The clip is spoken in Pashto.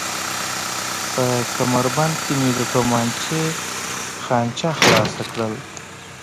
په کمربند کې مې د تومانچې خانچه خلاصه کړل.